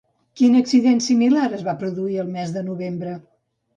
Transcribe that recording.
Quin accident similar es va produir el mes de novembre?